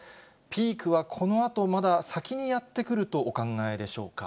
ピークはこのあとまだ先にやって来るとお考えでしょうか。